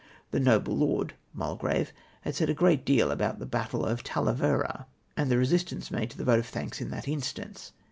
The noble Lord (Mulgrave) had said a great deal about the battle of Talavera, and the resistance made to the vote of thanks in that instance.